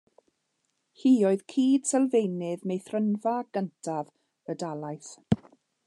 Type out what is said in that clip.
Hi oedd cyd-sylfaenydd meithrinfa gyntaf y dalaith.